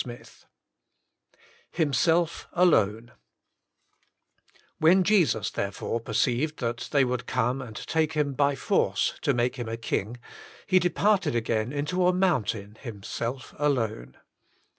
XXXIII HIMSELF ALONE "When Jesus therefore perceived that they would come and take Him by force to make Him a king, He departed again into a mountain Himself alone."